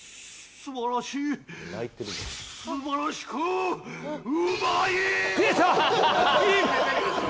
すばらしか！